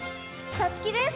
さつきです！